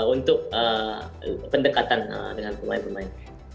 untuk pendekatan dengan pemain pemain